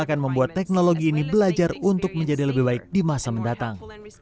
akan membuat teknologi ini belajar untuk menjadi lebih baik di masa mendatang